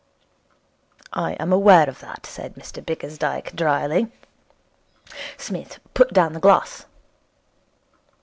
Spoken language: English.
'I am aware of that,' said Mr Bickersdyke drily. Psmith put down the glass.